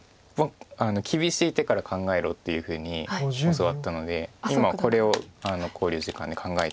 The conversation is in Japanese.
厳しい手から考えろっていうふうに教わったので今はこれを考慮時間で考えてると思います。